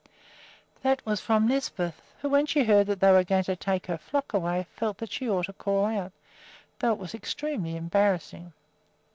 This was from Lisbeth, who, when she heard that they were going to take her flock away, felt that she ought to call out, although it was extremely embarrassing.